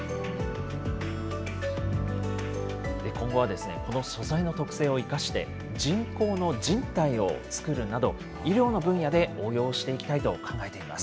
今後はこの素材の特性を生かして、人工のじん帯を作るなど、医療の分野で応用していきたいと考えています。